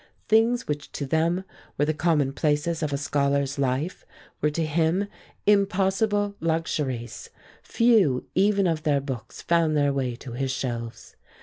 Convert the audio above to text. Things which to them were the commonplaces of a scholar's life were to him impossible luxuries; few even of their books found their way to his shelves.